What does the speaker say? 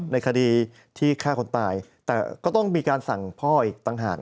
ในคดีที่ฆ่าคนตายแต่ก็ต้องมีการสั่งพ่ออีกต่างหาก